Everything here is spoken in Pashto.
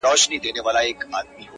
ټوله ته وای ټوله ته وای،